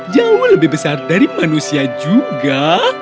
jauh lebih besar dari manusia juga